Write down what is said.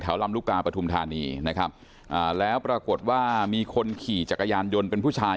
ลำลูกกาปฐุมธานีนะครับอ่าแล้วปรากฏว่ามีคนขี่จักรยานยนต์เป็นผู้ชาย